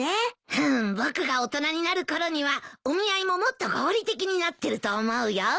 僕が大人になるころにはお見合いももっと合理的になってると思うよ。